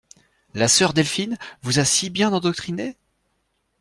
La sœur Delphine vous a si bien endoctrinée?